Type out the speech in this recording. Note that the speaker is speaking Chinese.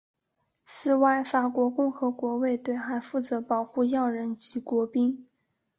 此外法国共和国卫队还负责保护要人及国宾。